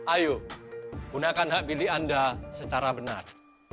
ayo gunakan hak pilih anda secara benar